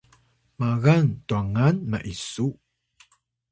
magan twangan m’isu